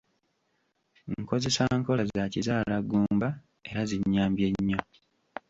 Nkozesa nkola za kizaalagumba era zinnyambye nnyo.